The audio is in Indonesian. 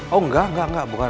oh enggak enggak bukan